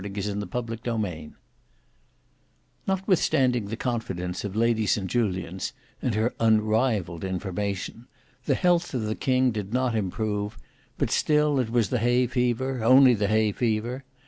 Book 1 Chapter 6 Notwithstanding the confidence of Lady St Julians, and her unrivalled information, the health of the king did not improve: but still it was the hay fever, only the hay fever.